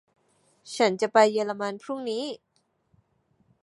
ฉันจะไปเยอรมันพรุ่งนี้